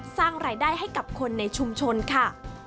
สร้างรายได้ให้กับคนในชุมชนค่ะ